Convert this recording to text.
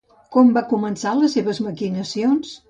Com va començar les seves maquinacions?